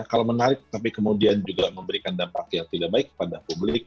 kalau menarik tapi kemudian juga memberikan dampak yang tidak baik kepada publik